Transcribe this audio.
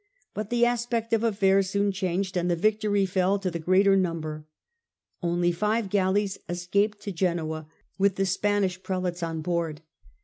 But the aspect of affairs soon changed and the victory fell to the greater number. Only five galleys escaped to Genoa, with the Spanish Prelates on board.